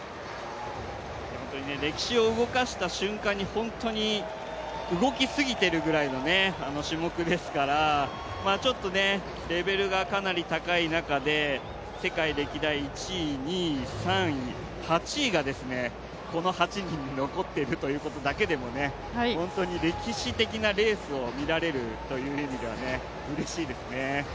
歴史を動かした瞬間に、本当に動きすぎているくらいの種目ですからちょっとレベルがかなり高い中で世界歴代１位、２位、３位、８位が、この８人に残っているということだけでも本当に歴史的なレースを見られるという意味ではうれしいですね。